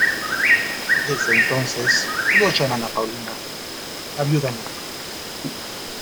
Desde entonces, todos llaman a Paulina "La Viuda Negra".